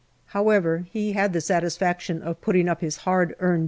However, he had the satisfaction of putting up his hard earned D.